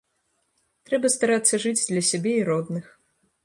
Трэба старацца жыць для сябе і родных.